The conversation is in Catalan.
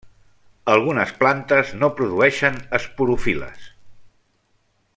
Algunes plantes no produeixen esporofil·les.